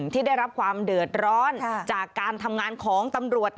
ที่ได้รับความเดือดร้อนจากการทำงานของตำรวจ